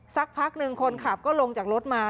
สักพักหนึ่งคนขับก็ลงจากรถมา